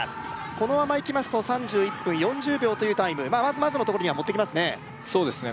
このままいきますと３１分４０秒というタイムまあまずまずのところには持っていきますねそうですね